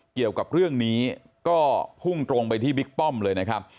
เกี่ยวกับเรื่องนี้ก็พุ่งตรงไปที่บิ๊กป้อมเลยนะครับ